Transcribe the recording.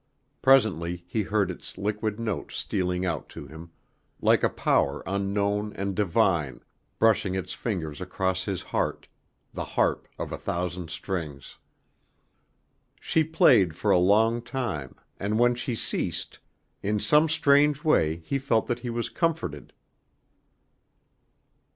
Presently he heard its liquid notes stealing out to him, like a power unknown and divine, brushing its fingers across his heart, the harp of a thousand strings. She played for a long time, and when she ceased, in some strange way he felt that he was comforted.